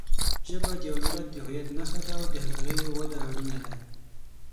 ژبه د یوه ملت د هویت نښه ده او د هغې وده اړینه ده.